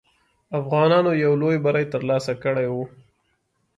افغانانو یو لوی بری ترلاسه کړی وو.